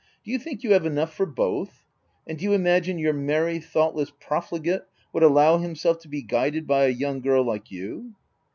Do you think you have enough for both ; and do you imagine your merry, thoughtless profligate would allow himself to be guided by a young girl like you